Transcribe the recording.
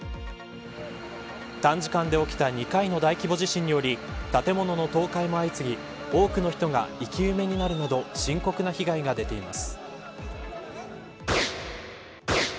短時間で起きた２回の大規模地震により建物の倒壊も相次ぎ多くの人が生き埋めになるなど深刻な被害が出ています。